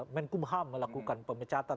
menkumham melakukan pemecatan